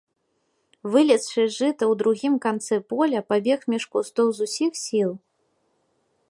Вылезшы з жыта ў другім канцы поля, пабег між кустоў з усіх сіл.